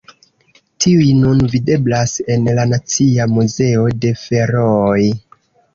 Tiuj nun videblas en la Nacia Muzeo de Ferooj.